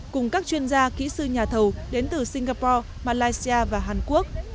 cùng các chuyên gia kỹ sư nhà thầu đến từ singapore malaysia và hàn quốc